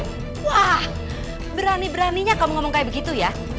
wah berani beraninya kamu ngomong kayak begitu ya